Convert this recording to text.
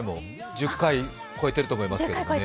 １０回超えてると思いますね。